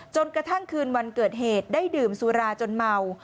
จนกระทั่งคืนวันเกิดเหตุได้ดื่มสุราจนเมา